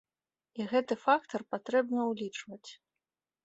І гэты фактар патрэбна ўлічваць.